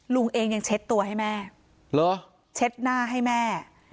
ลุงเองยังเช็ดตัวให้แม่เช็ดหน้าให้แม่